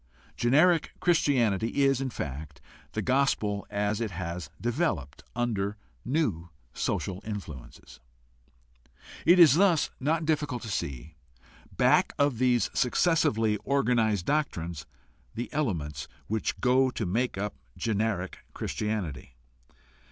Generic Christianity is, in fact, the gospel as it has developed under new social influences. It is thus not difficult to see, back of these successively organized doctrines, the elements which go to make up generic Christianity.